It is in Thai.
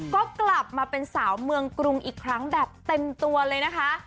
ก็กลับมาเป็นสาวเมืองกรุงอีกครั้งแบบเต็มตัวเลยนะคะ